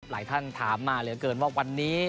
หลายท่านถามมาเหลือเกินว่าวันนี้